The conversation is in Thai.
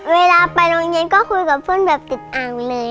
เวลาไปโรงเรียนก็คุยกับเพื่อนแบบติดอ่างเลย